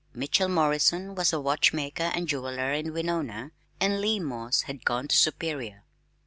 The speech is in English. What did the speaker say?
Mitchell Morrison was a watch maker and jeweler in Winona and Lee Moss had gone to Superior.